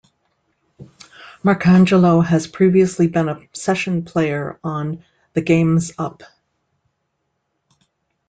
Marcangelo had previously been a session player on "The Game's Up".